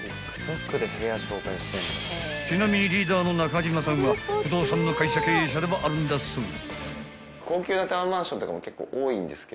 ［ちなみにリーダーの中島さんは不動産の会社経営者でもあるんだそう］